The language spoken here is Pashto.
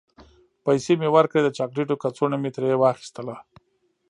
پیسې مې ورکړې، د چاکلیټو کڅوڼه مې ترې واخیستل.